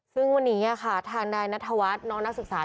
ซึ่งวันนี้ค่ะทางนายนัทวัฒน์น้องนักศึกษา